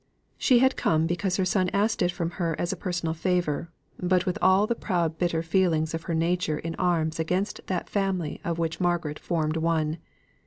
She had come because her son asked it from her as a personal favour, but with all the proud bitter feelings of her nature in arms against that family of which Margaret formed one.